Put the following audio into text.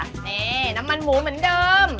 นี่น้ำมันหมูเหมือนเดิม